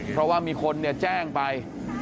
เพราะว่ามีคนแจ้งไป